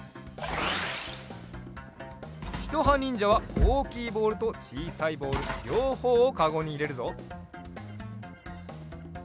ひとはにんじゃはおおきいボールとちいさいボールりょうほうをかごにいれるぞ。